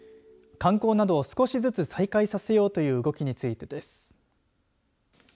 観光などを少しずつ再開させようという動きについてです。